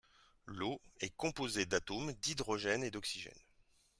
L'eau est composée d'atomes d'hydrogène et d'oxygène.